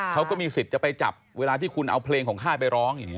เขาก็มีสิทธิ์จะไปจับเวลาที่คุณเอาเพลงของค่ายไปร้องอย่างนี้